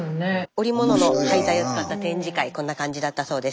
織物の廃材を使った展示会こんな感じだったそうです。